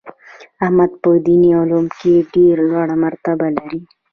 احمد په دیني علم کې ډېره لوړه مرتبه لري.